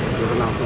jadi kurangin sih